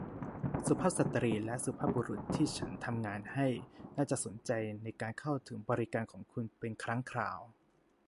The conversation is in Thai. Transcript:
สุภาพสตรีและสุภาพบุรุษที่ฉันทำงานให้ น่าจะสนใจในการเข้าถึงบริการของคุณเป็นครั้งคราว